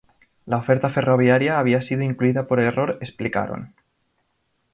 La oferta ferroviaria había sido incluida por "error", explicaron.